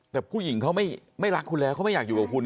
แต่ผู้หญิงเขาไม่รักคุณแล้วเขาไม่อยากอยู่กับคุณ